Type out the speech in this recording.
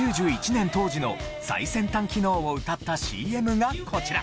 １９９１年当時の最先端機能を謳ったＣＭがこちら！